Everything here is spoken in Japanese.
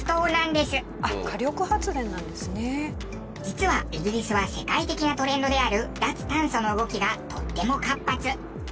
実はイギリスは世界的なトレンドである脱炭素の動きがとっても活発。